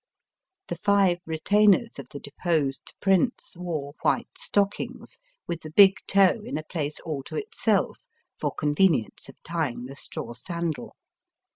The five retainers of the deposed prince wore white stockings, with the big toe in a place all to itself for convenience of tying the straw sandal.